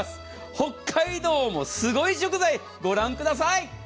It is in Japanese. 北海道もすごい食材、御覧ください！